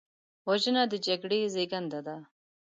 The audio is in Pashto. وژنه د جګړې زیږنده ده